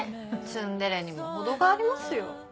ツンデレにも程がありますよ。